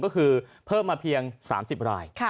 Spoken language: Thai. ก็คือเพิ่มมาเพียง๓๐ราย